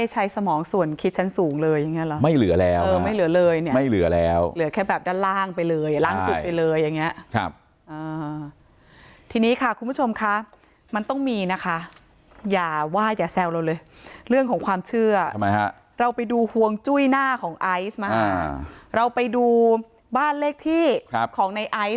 หรือไม่ได้ใช้สมองส่วนคิดชั้นสูงเลย